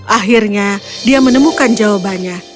akhirnya dia menemukan jawabannya